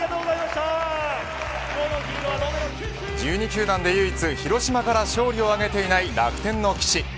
１２球団で唯一、広島から勝利を挙げていない楽天の岸。